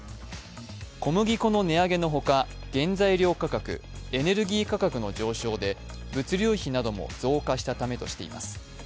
小麦粉の値上げの他、原材料価格エネルギー価格の上昇で、物流費なども増加したためとしています。